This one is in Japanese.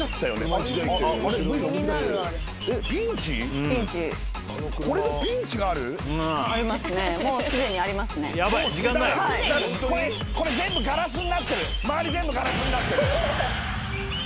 周り全部ガラスになってる。